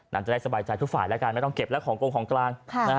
จะได้สบายใจทุกฝ่ายแล้วกันไม่ต้องเก็บแล้วของกงของกลาง